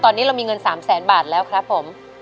ตอนนี้เรามีเงิน๓แสนบาทแล้วครับผม